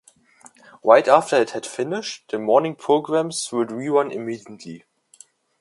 Right after it had finished, the morning programmes would rerun immediately.